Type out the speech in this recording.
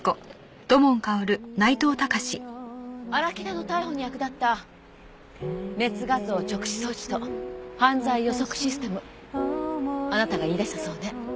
荒木田の逮捕に役立った熱画像直視装置と犯罪予測システムあなたが言い出したそうね。